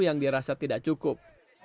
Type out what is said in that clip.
yang dirasa tidak cukup